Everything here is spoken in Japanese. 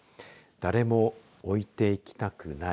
誰も置いていきたくない。